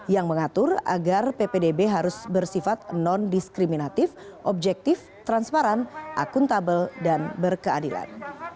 yang mengatur agar ppdb harus bersifat non diskriminatif objektif transparan akuntabel dan berkeadilan